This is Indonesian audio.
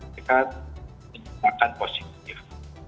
dikat menyebabkan positif